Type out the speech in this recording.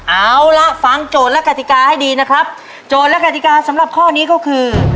เอาล่ะฟังโจทย์และกติกาให้ดีนะครับโจทย์และกติกาสำหรับข้อนี้ก็คือ